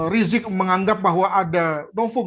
rizik menganggap bahwa ada nofum